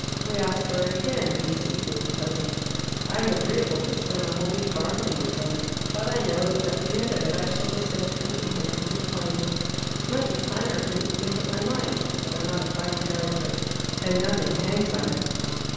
We ask for it again. He is equally pleasant. I'm agreeable to spend the whole week bargaining with him. But I know that at the end of it I shall descend empty handed to the plains. It might be finer of me to make up my mind. But I'm not a fine character. And nothing hangs on it."